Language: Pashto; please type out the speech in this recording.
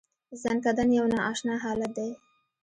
ځنکدن یو نا اشنا حالت دی .